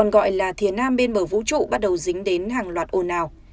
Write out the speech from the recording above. gọi là thiền nam bên bờ vũ trụ bắt đầu dính đến hàng loạt ồn ào